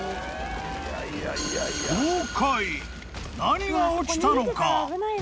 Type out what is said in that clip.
［何が起きたのか？］